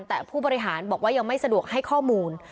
แต่ผู้บริหารบอกว่ายังไม่สะดวกให้ข้อมูล